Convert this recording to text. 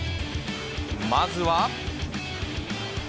まずは。